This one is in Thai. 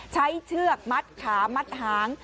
เชือกมัดขามัดหาง